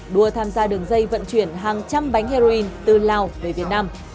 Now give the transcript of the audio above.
đua tham gia đường dây vận chuyển hàng trăm bánh heroin từ lào về việt nam